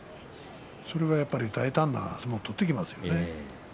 それはやっぱり大胆な相撲を取ってきますよね。